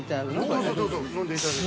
◆どうぞどうぞ飲んでいただいて。